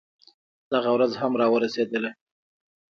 دغه ورځ هم راورسېدله.